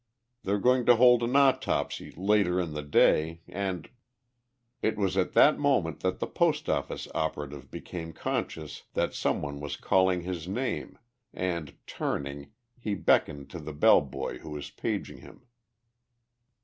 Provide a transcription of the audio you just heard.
They're going to hold an autopsy later in the day and " It was at that moment that the Post office operative became conscious that some one was calling his name, and, turning, he beckoned to the bell boy who was paging him.